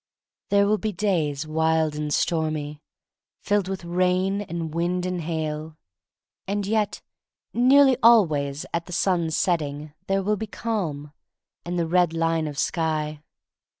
There will be days wild and stormy, THE STORY OF MARY MAC LANE 33 filled with rain and wind and hail ; und yet nearly always at the sun's setting there will be calm — and the red line of sky.